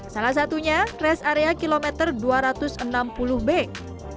salah satunya rest area kilometer dua ratus okt